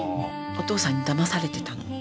お父さんにだまされてたの。